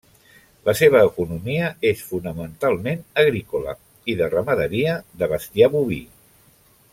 La seva economia és fonamentalment agrícola i de ramaderia de bestiar boví.